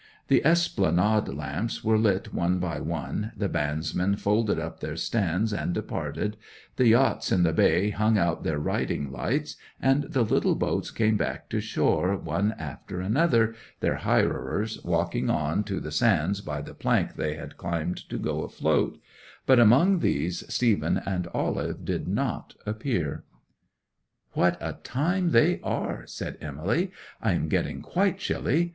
The Esplanade lamps were lit one by one, the bandsmen folded up their stands and departed, the yachts in the bay hung out their riding lights, and the little boats came back to shore one after another, their hirers walking on to the sands by the plank they had climbed to go afloat; but among these Stephen and Olive did not appear. '"What a time they are!" said Emily. "I am getting quite chilly.